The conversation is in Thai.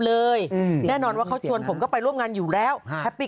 เลยอืมแน่นอนว่าเขาชวนผมก็ไปร่วมงานอยู่แล้วแฮปปี้